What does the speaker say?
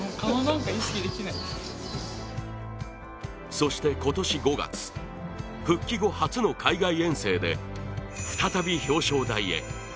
そして今年５月復帰後初の海外遠征で、再び表彰台へ。